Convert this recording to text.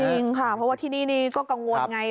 จริงค่ะเพราะว่าที่นี่นี่ก็กังวลไง